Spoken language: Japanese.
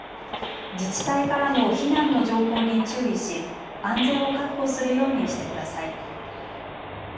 自治体からの避難の情報に注意し安全を確保するようにしてください。